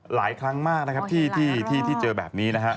หลายครั้งมากที่เจอแบบนี้